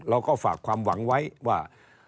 เราก็ฝากความหวังไว้ว่า